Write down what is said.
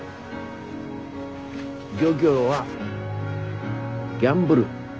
漁業はギャンブル。